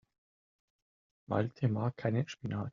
Malte mag keinen Spinat.